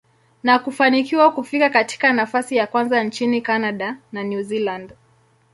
na kufanikiwa kufika katika nafasi ya kwanza nchini Canada na New Zealand.